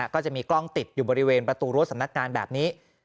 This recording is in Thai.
ก็จะมีกล้องติดอยู่บริเวณประตูรั้วสำนักงานแบบนี้